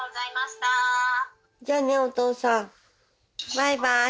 バイバイ。